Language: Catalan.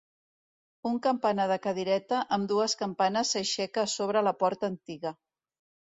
Un campanar de cadireta amb dues campanes s'aixeca a sobre la porta antiga.